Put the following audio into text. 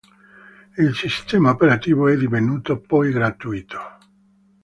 Il sistema operativo è divenuto poi gratuito.